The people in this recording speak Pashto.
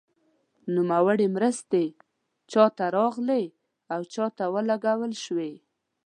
نوموړې مرستې چا ته راغلې او چیرته ولګول شوې.